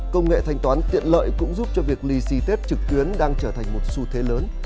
công nghệ thanh toán tiện lợi cũng giúp cho việc lì xì tết trực tuyến đang trở thành một xu thế lớn